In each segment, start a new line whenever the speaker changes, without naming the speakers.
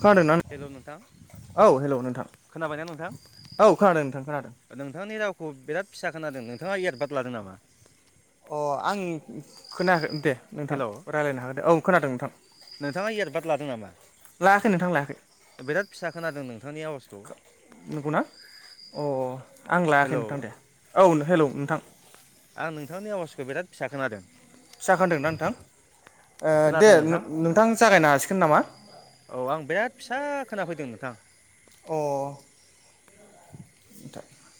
खोनादोंना
हेलौ नोंथां।
औ हेलौ नोंथां औ खोनादों नोंथां खोनादों।
आखौ बिराद फिसा खोनादों नोंथाङा एरबट लादों नामा?
अ आं खोनागोन दे नोंथां रायज्लायनो हागोन दे औ खोनादों नोंथां। लायाखै नोंथां लायाखै नंगौना। अ आं लायाखै नोंथां दे औ हेलौ नोंथां।
आं नोंथांनि आवाजखौ बिराद फिसा खोनादों।
फिसाखान्दों ना नोंथां दे नोंथां जागायनो हासिगोन नामा।
औ आं बिराद फिसा खोनाफैदों नोंथां।
अ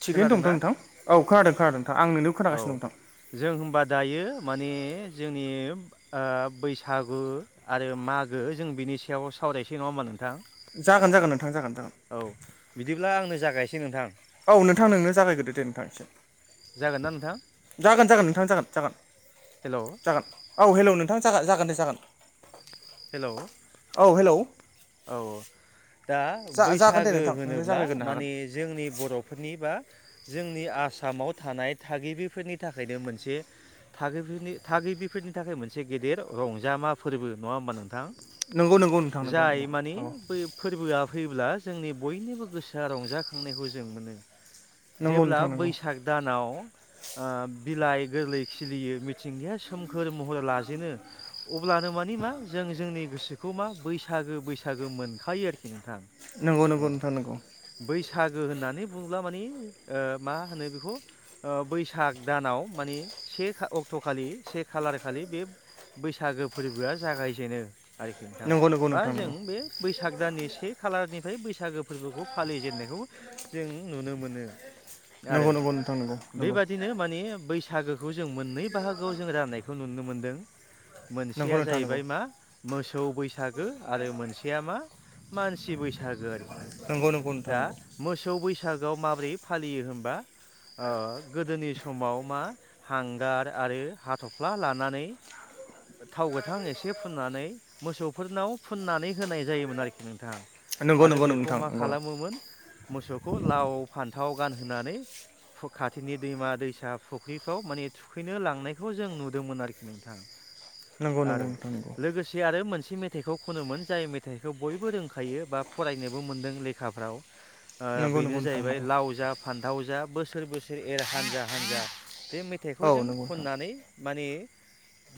थिगैनो दंथ' नोंथां। औ खोनादों खोनादों नोंथां। आं नोंनिखौ खोनागासिनो दं नोंथां।
जों होनबा दायो माने जोंनि ओ बैसागु आरो मागो जों बिनि सायाव सावरायसै नङा होमा नोंथां?
जागोन जागोन नोंथां जागोन। जागोन
औ बिदिब्ला आंनो जागायसै नोंथां।
औ नोंथां नोंनो जागायग्रोदो दे नोंथां एसे। जागोन जागोन नोंथां जागोन जागोन। जागोन औ हेलौ नोंथां जागोन जागोन दे जागोन।
हेल'?
औ हेल'।
औ। दा
जागोन दे
बैसागो
नोंथां नोंनो
होनोब्ला
जागायग्रोनो हागोन
माने जोंनि बर'फोरनि बा जोंनि आसामाव थानाय थागिबिफोरनि थाखायनो मोनसे थागिबिनि थागिबिफोर नि थाखाय मोनसे गेदेर रंजामा फोरबो नङा होमबा नोंथां?
नंगौ नंगौ नोंथां नंगौ नंगौ।
नि बे फोरबोआ फैयोब्ला जोंनि बयनिबो गोसोआ रंजाखांनायखौ जों मोनो।
नंगौ
जेब्ला
नोंथां नंगौ
बैसाग दानाव ओ बिलाइ गोरलै खिलियो मिथिंगाया सोमखोर महर लाजेनो। अब्लानो मानि मा जों जोंनि गोसोखौ मा बैसागो बैसागो मोनखायो आरोखि नोंथां।
नंगौ
औ बै सागो होननानै बुङोब्ला माने ओ मा होनो बेखौ ओ बैसाग दानाव मानि से अक्ट'खालि से खालार खालि बे बैसागो फोरबोआ जागायजेनो आरोखि नोंथां बा जों बे बैसाग दाननि से खालारनिफ्राय बैसागो फोरबोखौ फालिजेननायखौ जों नुनो मोनो, आरो
नंगौ नोंथां नंगौ नोंथां नंगौ
बेबादिनो माने बै सागोखौ जों मोननै बाहागोआव जो राननायखौ नुनो मोनदों। मोनसेया जाहैबाय मा मोसौ बैसागो आरो मोन सेया मा मानसि बैसागो आरोखि। दा मोसौ बैसाग बैसागोआव माबोरै फालियो होनबा ओ गोदोनि समाव मा हांगार आरो हाथ'फ्ला लानानै थाव गोथां एसे फुननानै मोसौफोरनाव फुननानै होनाय जायोमोन आरोखि नोंथां
नंगौ
आरो
नंगौ
बेखौ
नोंथां
मा
नंगौ
खालामोमोन मोसौखौ लाव फान्थाव गानहोनानै खाथिनि दैमा दैसा फुख्रिफ्राव माने थुखैनो लांनायखौ जों नुदोंमोन आरोखि नोंथां
नंगौ नंगौ
आरो
नोंथां
लोगोसे आरो मोनसे मेथाइखौ खनोमोन जाय मेथाइखौ बयबो रोंखायो बा फरायनोबो मोनदों लेखाफ्राव ओ बेनो जाहैबाय लाव जा फान्थाव जा बोसोर बोसोर एर हानजा हानजा बे मेथाइखौ जों खननानै माने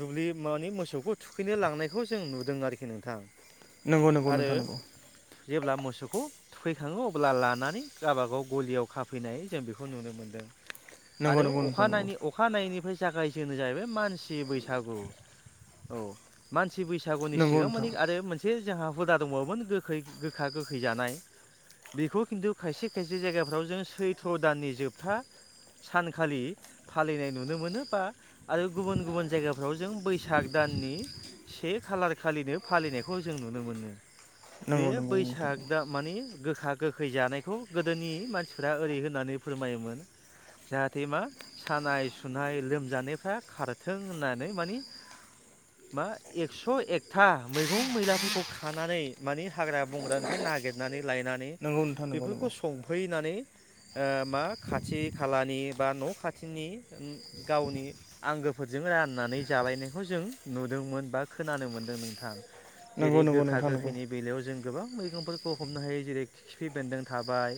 दुब्लि माने मोसौखौ थुखैनो लांनायखौ जों नुदों आरोखि नोंथां
नंगौ नंगौ नोंथां नंगौ
आरो
नोंथां नंगौ
जेब्ला मोसौ खौ थुखैखाङो अब्ला लानानै गावबागाव गलियाव खाफैनाय जों बेखौ नुनो मोनदों
नंगौ नंगौ नोंथां नंगौ
आरो
नोंथां नंगौ
अखानायै अखानायैनिफ्राय [unintelligible] जाहैबाय मानसि बैसागु औ मान सि बैसागुनि सिगां
औ नंगौ नोंथां
माने आरो मोनसे जोंहा हुदा दंबावोमोन गोखै गोखा गोखै जानाय। बेखौ खिन्थु खायसे खायसे जायगाफ्राव जों सैथ्र' दाननि जोबथा सानखालि फालिनाय नुनो मोनो बा आरो गुबुन गुबुन जायगाफ्राव जों बैसाग दान नि से खालार खालिनो फालिनायखौ जों नुनो मोनो। बे
नंगौ
बैसाग
नंगौ
दा माने गोखा गोखै जानायखौ गोदोनि मानसिफ्रा ओरै होननानै फोरमायोमोन जाहाथे मा सानाय सुनाय लोमजानायफ्रा खारथों होननानै माने मा एक्स' एकथा मैगं मैलाफोरखौ खानानै माने हाग्रा बंग्रानिफ्राय नागिरनानै लायनानै
नोंथां नंगौ
बेफोरखौ सं हैनानै ओ मा खाथि खालानि बा न' खाथिनि ओम गावनि आंगोफोरजों जों राननानै जालायनायखौ जों नुदोंमोन बा खोनानो मोन्दों नोंथां।
नंगौ
जेरै
नंगौ
गोखा
नोंथां नंगौ
गोखैनि बेलायाव जों गोबां मैगंफोरखौ हमनो हायो जेरै खिफि बेन्दों थाबाय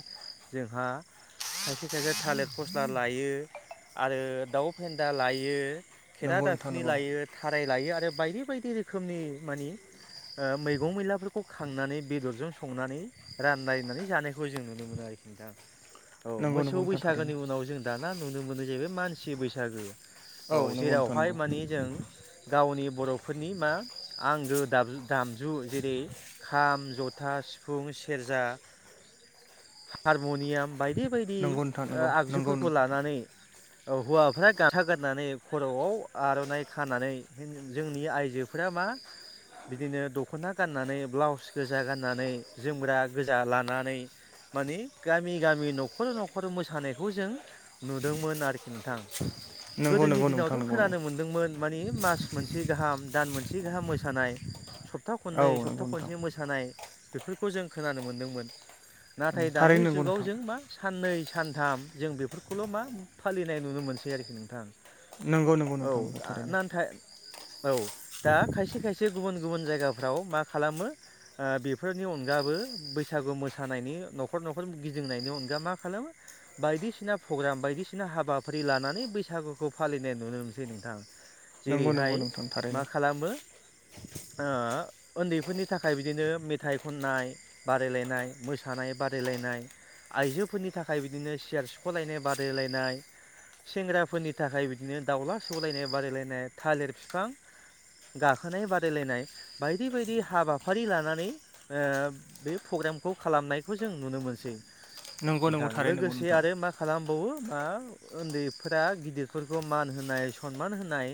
जोंहा खायसे खायसे थालिर फस्ला लायो आरो दाउ फेन्दा लायो।
नंगौ नोंथां
खेरादाफिनि
नंगौ
लायो थाराय लायो आरो बायदि बायदि रोखोमनि मानि ओ मैगं मैलाफोरखौ खांनानै बेदरजों संनानै रानलायनानै जानायखौ जों नुनो मोन [unintelligible] नोंथां औ
नंगौ नोंथां नंगौ नोंथां नंगौ नोंथां नंगौ नोंथां नंगौ
मोसौ
नोंथां थारैनो
बैसागोनि उनाव जों दाना नुनो मोनो जाहैबाय मानसि बैसागो औ
नंगौ नोंथां
जेरावहाय
नंगौ
माने जों गावनि बर'फोरनि मा आंगो दामजु दामजु जेरै खाम, जथा, सिफुं, सेरजा हारम'नियाम बायदि बायदि
नंगौ नोंथां
ओ
नंगौ नंगौ
आगजुफोरखौ
नोंथां
लानानै औ हौवाफ्रा गाथा गाननानै खर'आव आर'नाइ खानानै जोंनि आइजोफोरा मा आ बिदिनो दख'ना गाननानै ब्लाउस गोजा गाननानै जोमग्रा गोजा लानानै माने गामि गामि न'खर न'खर मोसानायखौ जों नुदोंमोन आरोखि नोंथां।
नंगौ नंगौ
गोदोनि
नोंथां
दिनावथ'
नंगौ नंगौ
खोनानो मोनदोंमोन माने मास मोनसे गाहाम दान मोनसे गाहाम मोसानाय सप्ता खननै
औ
सप्ता
नंगौ नोंथां
खनसे मोसानाय बेफोरखौ जों खोनानो मोनदोंमोन। नाथाय दानि
थारैनो नंगौ
जुगाव
नोंथां
जों मा साननै सानथाम जों बेफोरखौल' मा फालिनाय नुनो मोनसै आरोखि नोंथां।
नंगौ नंगौ
औ
नोंथां नंगौ
आ
थारैनो
नाथाय औ दा खायसे खाय थिग गुबुन गुबुन जायगाफ्राव मा खालामो ओ बेफोरनि अनगाबो बैसागु मोसानायनि न'खर न'खर गिदिंनायनि अनगा मा खालामो बायदिसिना प्रग्राम बायदिसिना हाबाफारि लानानै बैसागुखौ फालिनाय नुनो मोनसै नोंथां।
नंगौ नंगौ
जेरैहाय
नोंथां
मा
थारैनो
खालामो ओ उन्दैफोरनि थाखाय बिदिनो मेथाइ खननाय बादायलायनाय मोसानाय बादायलायनाय आइजोफोरनि थाखाय बिदिनो सियार सिख'लायनाय बादायलायनाय सेंग्राफोरनि थाखाय बिदिनो दाउला सौलायनाय बादायलायनाय थालिर फिफां गाखोनाय बा दायलायनाय बायदि बायदि हाबाफारि लानानै ओ बे प्रग्रामखौ खालामनायखौ जों नुनो मोनसै
नंगौ नंगौ
नोंथां।
थारैनो नंगौ
लोगोसे
नोंथां
आरो मा खालामबावो मा उन्दैफोरा गिदिरफोरखौ मान होनाय सनमान होनाय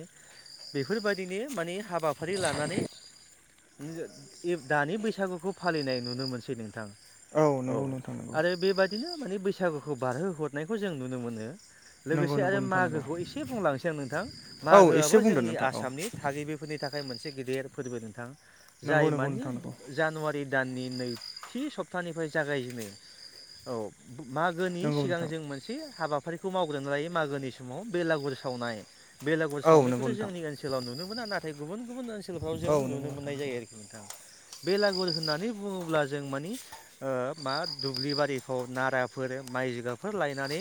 बेफोरबायदिनो माने हाबाफारि लानानै [unintelligible] दानि बैसागुखौ फालिनाय नुनो मोनसै नोंथां। औ
नंगौ नोंथां
आरो बेबादिनो माने बैसागुखौ बारहोहरनायखौ जों नुनो मोनो।
नंगौ
लोगोसे
नंगौ
आरो
नोंथां नंगौ
मागोखौ एसे बुंलांनोसै आं नोंथां
औ एसे
मागोआबो
बुंदो
जोंनि
नोंथां औ
आसामनि थागिबिफोरनि थाखाय नाय मोनसे गेदेर फोरबो नोंथां
नंगौ
जाय
नंगौ
मानि
नोंथां
जानुवारि दाननि नैथि सप्तानिफ्राय जागायजेनो औ। मागोनि
नंगौ नंगौ
सिगां
नोंथां
जों मोनसे हाबा फारिखौ मावग्रोना लायो मागोनि समाव बेलागुर सावनाय बेलागुर
औ नंगौ
सावनायखौथ'
नोंथां
जोंनि ओनसोलाव नुनो मोना नाथाय गुबुन गुबुन ओनसोलफ्राव जों
औ
नुनो
नंगौ नोंथां
मोननाय जायो आरोखि नोंथां। बेलागुर होननानै बुङोब्ला जों मानि ओ मा दुब्लि बारिफ्राव नारा फोर माइ जिगाबफोर लायनानै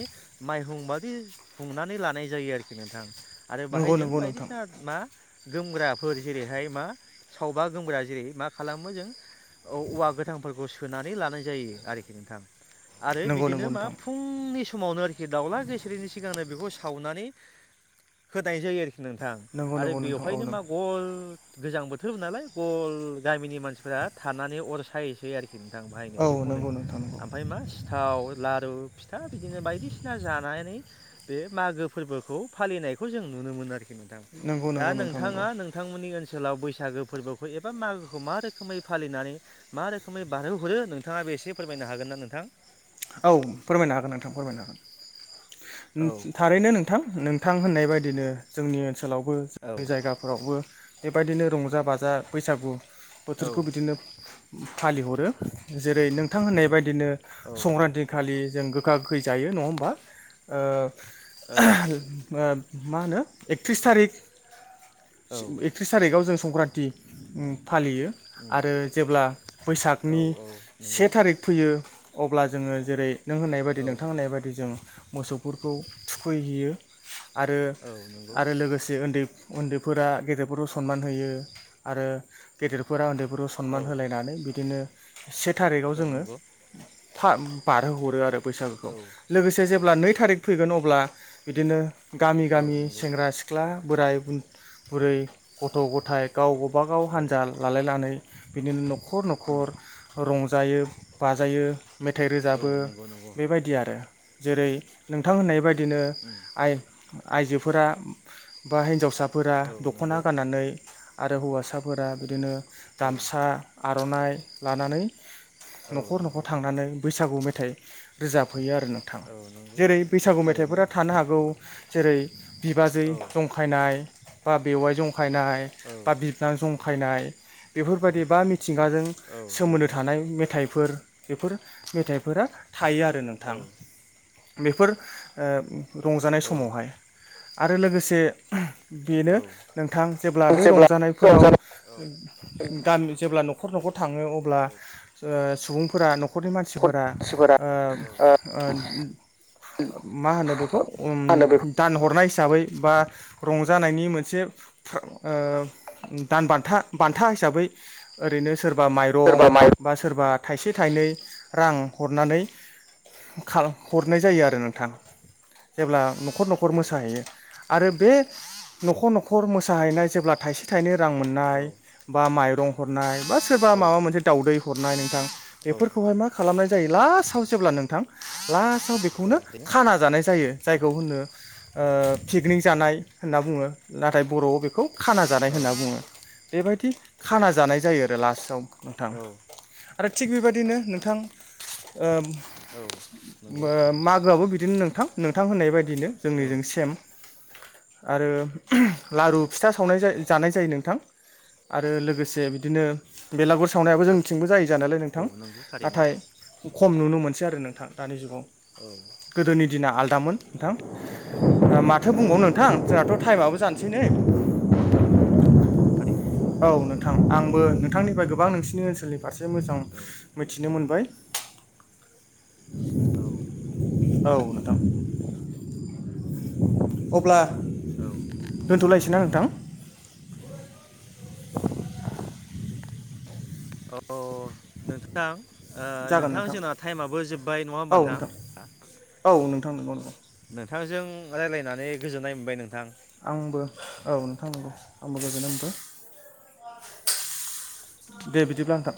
माइहुंबादि खुंनानै लानाय जायो आरोखि नोंथां। आरो बेाहाय
नंगौ
जों
नंगौ नोंथां
बायदिसिना मा गोमग्राफोर जेरैहाय मा सावबा गोमग्रा जेरै मा खालामो जों औ औवा गोथांफोरखौ सोनानै लानाय जायो आरोखि नोंथां। आरो
नंगौ
बिदिनो
नंगौ
मा
नोंथां
फुंनि समावनो आरोखि दावउला गेसेरैनि सिगांनो बेखौ सावनानै होनाय जायो आरोखि नोंथां
नंगौ
आरो
नंगौ नोंथां औ
बेवहायनो
नंगौ
मा गल गोजां बोथोर नालाय गल गामिनि मानसिफ्रा थानानै अर सायसै आरोखि नोंथां बाहायनो
औ
बेखौनो
नंगौ नोंथां नंगौ
ओमफ्राय मा सिथाव लारु फिथा बिदिनो बायदिसिना जानानै बे मागो फोरबोखौ फालिनायखौ जों न नुनो मोन आरोख नोंथां
नंगौ
दा
नंगौ नोंथां
नोंथाङा
नंगौ
नोंथांमोननि ओनसोल सोलाव बैसागो फोरबोखौ एबा मागोखौ मा रोखोमै फालिनानै मा रोखोमै बारहोहरो नोंथाङा बे एसे फोरमायनो हागोन ना नोंथां।
औ फोरमायनो हागोन नोंथां फोरमायनो हागोन। थारैनो नोंथां नोंथां होननाय बायदिनो जोंनि ओनसोलावबो जोंनि जायगाफोरावबो बेबायदिनो रंजा बाजा बैसागु बोथोरखौ बिदिनो फालिहरो जेरै नोंथां होननाय बायदिनो संक्रान्ति खालि जों गोखा गोखै जायो नङा होमबा! मा होनो एकथ्रिस थारिख एकथ्रिस थारिखाव जों संक्रान्ति फालियो आरो जेब्ला बैसागनि से थारिख फैयो अब्ला जोङो जेरै नों होननाय बायदि नोंथां होननाय बायदि जों मोसौफोरखौ थुखैहैयो आरो आरो लोगोसे उन्दै उन्दैफोरा गेदेरफोरखौ सनमान होयो आरो गेदेरफोरा उन्दै फोरखौ' सनमान होलायनानै बिदिनो से थारिखाव जोङो बारहोहरो आरो। बैसागोखौ लोगोसे जेब्ला नै थारिख फैगोन अब्ला बिदिनो गामि गामि सेंग्रा सिख्ला बोराय बुरै गथ' गथायाइ गाव गाव गावबा गाव हानजा लालायनानै बिदिनो न'खर न'खर रंजायो बा जायो मेथाइ रोजाबो बेबायदि आरो जेरै नोंथां होननाय बायदि बिदिनो आइ-आइजोफोरा बा हिनजावसा फोरा दख'ना गाननानै आरो हौवासाफोरा बिदिनो गामसा आर'नाइ लानानै न'खर न'खर थांनानै बैसागु मेथाइ रोजाब हैयो आरो नोंथाङा जेरै बैसागु मेथाइफोरा थानो हागौ जेरै बिबाजै जंखायनाय बा बेवाइ जंखायनाय बा बिबोनां जं खायनाय बेफोरबायाददि बा मिथिंगाजों सोमोन्दो थानाय मेथाइफोर बेफोर मेथाइफोरा थायो आरो नोंथां बेफोर ओ रंजानाय समावहाय आरो लोगोसे बेनो नोंथां जेब्ला बे रंजानायफोराव गामि जेब्ला न'खर न'खर न'खर थाङो अब्ला सुबुंफोरा न'नि मानसि मानसिफोरा
मा
ओ मा होनो बेखौ ओम
होनो बेखौ
दानहरनाय हिसाबै बा रंजानायनि मोनसेओ दान बान्था बान्था हिसाबै ओरैनो सोरबा माइरं
सोरबा माइ
बा सोरबा थाइसे थाइनै रां हरनानै हरनाय जायो आरो नोंथां। जेब्ला न'खर न'खर मोसाहैयो आरो बे न'खर न'खर मोसाहैनाय जेब्ला थाइसे थाइनै रां मोननाय बा माइरं हरनाय बा सोर बा माबा मोनसे दाावदै हरनाय नोंथां। बेफोरखौहाय मा खालामनाय जायो लास्टाव जेब्ला नोंथां लास्टाव बेखौनो खाना जानाय जायो। जायखौ होनो ओ पिकनिक जानाय होनना बुङो नाथाय बर'आव बेखौ खाना जानाय होनो। होनना बुङो बेबायदि खाना जानाय जायो आरो लास्ताव नोंथां आरो थि बेबायदि बिदिनो नोंथां ओ मागोआबो बिदिनो नोंथां नोंथां होननाय बायदिनो जोंनिजों सेम। आरो लारु फिथा सावनाय जानाय जायो नोंथां। आरो लोगोसे बिदिनो बेलागुर सावनायाबो जोंनिथिंबो जायो जानायालाय नोंथां।
नंगौ थारैनो।
नाथाय खम नुनो मोनसै आरो नोंथां दानि जुगाव। गोदोनि दिना आलदामोन नोंथां। दा माथो बुंबावनो नोंथां जोंहाथ' थाइमाबबो जानोसै नै [inaudible]
नंगौ नंगौ थारैनो।
औ नोंथां आंबो नोंथांनिफ्राय गोबां नोंसिनि ओनसोलनि फारसे मोजां मिथिनो मोनबाय। [inaudible]
औ।
औ नोंथां अब्ला दोनथ'लायसै ना नोंथां।
नोंथां ओ नोंथां जोंना टाइमाबो जोबबाय नङा होमबा नोंथां।
औ नंगौ नोंथां नंगौ।
नोंथांजों रायलायनानै गोजोननाय मोनबाय नोंथां।
आंबो औ नोंथां नंगौ आंबो गोजोन मोनबाय। दे बिदिब्ला नोंथां।